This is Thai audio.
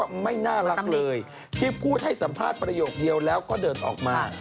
ไม่น่ารักเลยที่พูดให้สัมภาษณ์ประโยคเดียวแล้วก็เดินออกมา